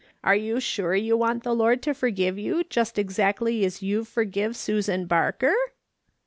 Are you sure you want the Lord to forgive you just exactly as you've forgive Susan Barker